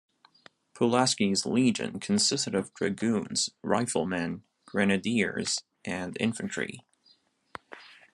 Pulaski's Legion consisted of dragoons, riflemen, grenadiers, and infantry.